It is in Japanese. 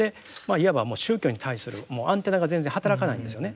いわばもう宗教に対するアンテナが全然働かないんですよね。